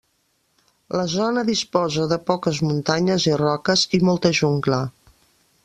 La zona disposa de poques muntanyes i roques i molta jungla.